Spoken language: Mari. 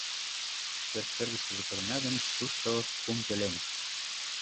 Пӧрткӧргышкыжӧ пурена гын, тушто — кум пӧлем.